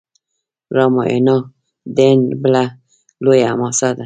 راماینا د هند بله لویه حماسه ده.